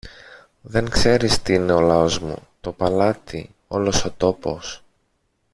Δεν ξέρεις τι είναι ο λαός μου, το παλάτι, όλος ο τόπος.